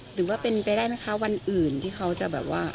หรือว่าเป็นไปได้ไหมคะวันอื่นที่เขาจะแบบว่า